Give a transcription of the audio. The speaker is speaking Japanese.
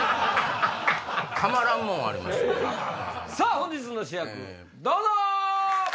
本日の主役どうぞ！